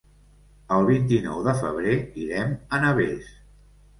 El vint-i-nou de febrer irem a Navès.